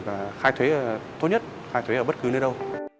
và khai thuế tốt nhất khai thuế ở bất cứ nơi đâu